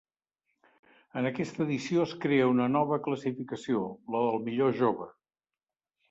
En aquesta edició es crea una nova classificació, la del millor jove.